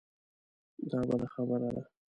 دا بده خبره ده.